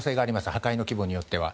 破壊の規模によっては。